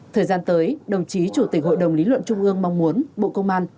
thời gian tới đồng chí chủ tịch hội đồng lý luận trung ương mong muốn bộ công an